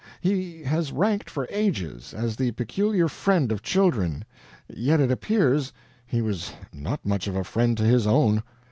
He has ranked for ages as the peculiar friend of children, yet it appears he was not much of a friend to his own.